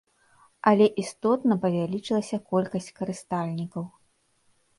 Але істотна павялічылася колькасць карыстальнікаў.